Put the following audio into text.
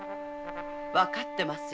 わかってますよ。